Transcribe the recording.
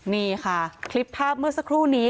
นี่ค่ะคลิปภาพเมื่อสักครู่นี้